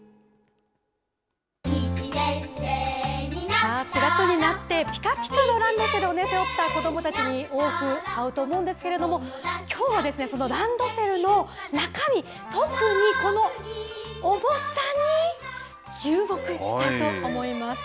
さあ、４月になって、ぴかぴかのランドセルを背負った子どもたちに、多く会うと思うんですけれども、きょうはですね、そのランドセルの中身、特にこの重さにチューモクしたいと思います。